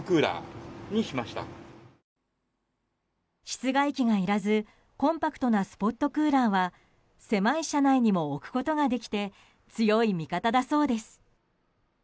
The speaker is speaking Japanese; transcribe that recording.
室外機がいらずコンパクトなスポットクーラーは狭い車内にも置くことができて強い味方だそうです。